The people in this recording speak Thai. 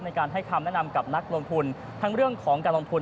ในการให้คำแนะนำกับนักลงทุนทั้งเรื่องของการลงทุน